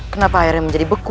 kenapa airnya menjadi beku